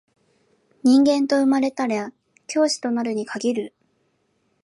人間と生まれたら教師となるに限る